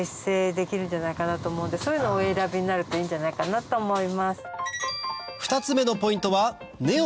そういうのをお選びになるといいんじゃないかなと思います。